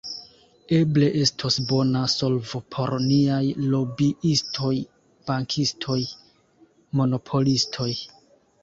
Eble estos bona solvo por niaj lobiistoj, bankistoj, monopolistoj.